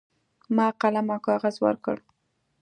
ما قلم او کاغذ ورکړ.